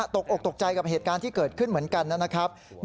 ตกอกตกใจกับเหตุการณ์ที่เกิดขึ้นเหมือนกันนะครับ